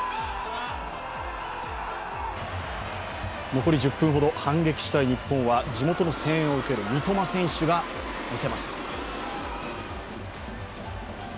残り１０分ほど、反撃したい日本は地元の声援を受ける三笘選手がみせます。